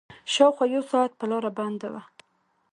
شاوخوا يو ساعت به لاره بنده وه.